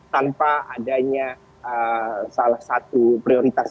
tanpa adanya salah satu prioritas